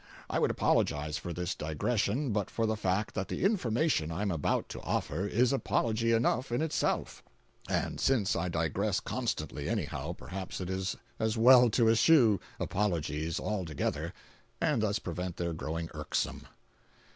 I would apologize for this digression but for the fact that the information I am about to offer is apology enough in itself. And since I digress constantly anyhow, perhaps it is as well to eschew apologies altogether and thus prevent their growing irksome.